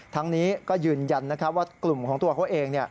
ทั้งนี้ก็ยืนยันว่ากลุ่มของตัวเขาเอง